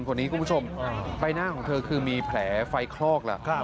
คุณผู้ชมใบหน้าของเธอคือมีแผลไฟคลอกแล้ว